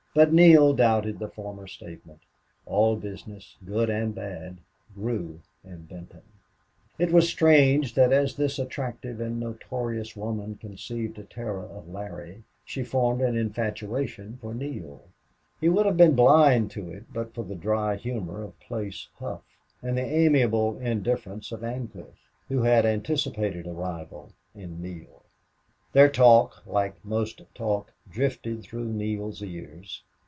But Neale doubted the former statement. All business, good and bad, grew in Benton. It was strange that as this attractive and notorious woman conceived a terror of Larry, she formed an infatuation for Neale. He would have been blind to it but for the dry humor of Place Hough, and the amiable indifference of Ancliffe, who had anticipated a rival in Neale. Their talk, like most talk, drifted through Neale's ears.